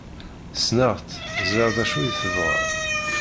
Ssneɣ-tt, ẓriɣ d acu i tebɣa.